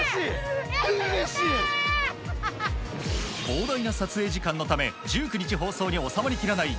膨大な撮影時間のため１９日放送に収まりきらない